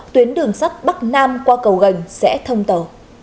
tuyến đường sắt bắc nam qua cầu gành sẽ thông tàu